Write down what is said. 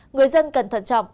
người dân cần thận trọng